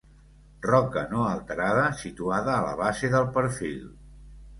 Roca no alterada situada a la base del perfil.